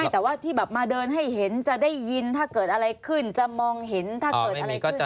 แต่ว่าที่แบบมาเดินให้เห็นจะได้ยินถ้าเกิดอะไรขึ้นจะมองเห็นถ้าเกิดอะไรขึ้น